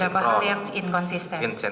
beberapa hal yang inkonsisten